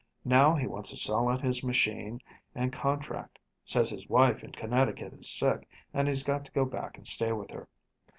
Now he wants to sell out his machine and contract. Says his wife in Connecticut is sick, and he's got to go back and stay with her.